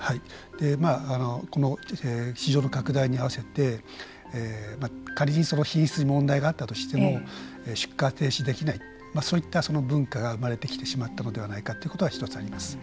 この市場の拡大に合わせて仮に、その品質に問題があったとしても出荷停止できないそういった文化が生まれてきてしまったのではないかということが１つあります。